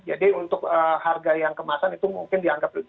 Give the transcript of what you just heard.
jadi untuk harga yang kemasan itu mungkin dianggap